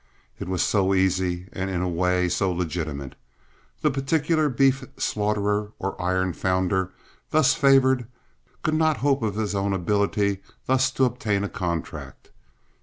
It was so easy and in a way so legitimate. The particular beef slaughterer or iron founder thus favored could not hope of his own ability thus to obtain a contract.